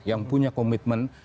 yang punya komitmen